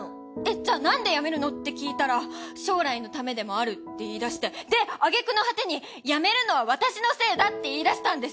じゃあなんで辞めるの？って聞いたら将来のためでもあるって言いだしてであげくの果てにやめるのは私のせいだって言いだしたんです！